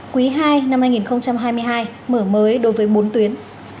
quý ii năm hai nghìn hai mươi hai mở mới đối với bốn tuyến